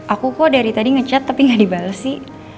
aku kok dari tadi ngechat tapi gak dibalasi